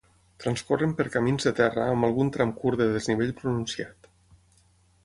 Transcorren per camins de terra amb algun tram curt de desnivell pronunciat.